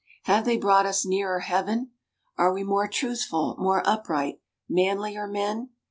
Have they brought us nearer heaven? Are we more truthful, more upright, manlier men?